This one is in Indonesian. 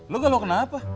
lu galau kenapa